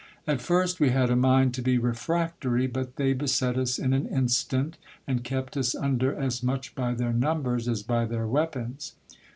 At first we had a mind to be re fractory ; but they beset us in an instant, and kept us under, as much by their numbers as by their weapons.